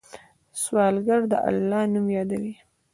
سوالګر د الله نوم یادوي